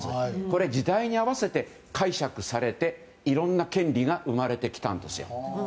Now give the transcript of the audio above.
これ、時代に合わせて解釈されていろんな権利が生まれてきたんですよ。